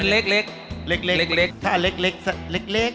เล็กถ้าเล็กเล็ก